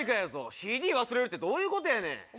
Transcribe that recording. ＣＤ忘れるってどういうことやねほんま